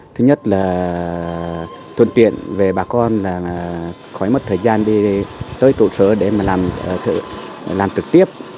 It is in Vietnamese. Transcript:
thứ nhất là thuận tiện về bà con là khói mất thời gian đi tới trụ sở để mà làm trực tiếp